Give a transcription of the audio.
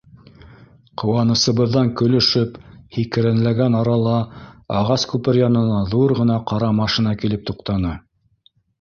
Ҡыуанысыбыҙҙан көлөшөп, һикерәнләгән арала ағас күпер янына ҙур ғына ҡара машина килеп туҡтаны.